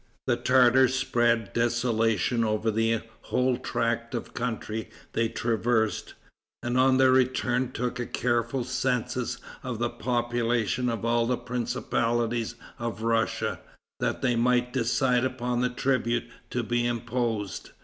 The Tartars spread desolation over the whole tract of country they traversed, and on their return took a careful census of the population of all the principalities of Russia, that they might decide upon the tribute to be imposed.